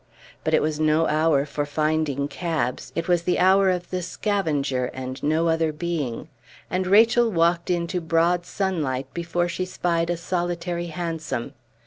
But it was no hour for finding cabs; it was the hour of the scavenger and no other being; and Rachel walked into broad sunlight before she spied a solitary hansom.